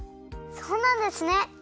そうなんですね！